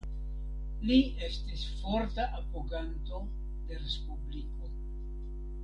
Li estis forta apoganto de respubliko.